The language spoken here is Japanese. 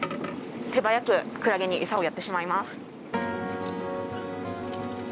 手早くクラゲにエサをやってしまいます。